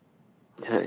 はい。